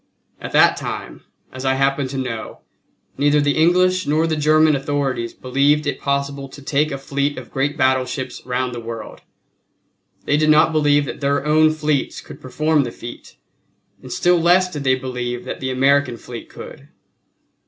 At that time, as I happen to know, neither the English nor the German authorities believed it possible to take a fleet of great battleships round the world. They did not believe that their own fleets could perform the feat, and still less did they believe that the American fleet could.